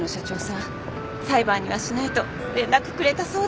裁判にはしないと連絡くれたそうです。